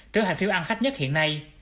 trở thành phiếu ăn khách nhất hiện nay